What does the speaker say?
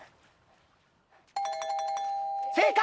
正解！